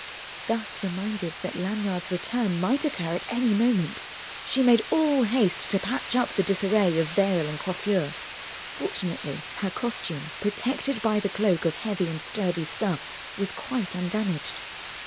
Thus reminded that Lanyard's return might occur at any moment, she made all haste to patch up the disarray of veil and coiffure. Fortunately her costume, protected by the cloak of heavy and sturdy stuff, was quite undamaged.